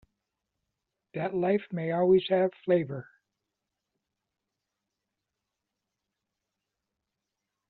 That life may always have flavor.